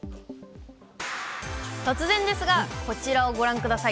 突然ですが、こちらをご覧ください。